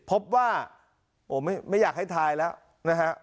พบว่าโอ้ไม่อยากให้ทายแล้วนะฮะ